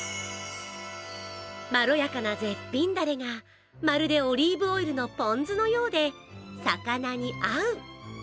まろやかな絶品ダレが、まるでオリーブオイルのポン酢のようで魚に合う。